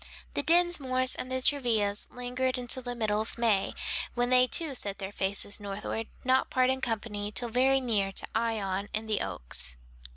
The Dinsmores and Travillas lingered until the middle of May, when they too set their faces northward, not parting company till very near to Ion and the Oaks.